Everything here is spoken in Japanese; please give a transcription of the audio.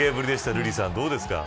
瑠麗さん、どうですか。